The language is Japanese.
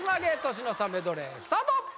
年の差メドレースタート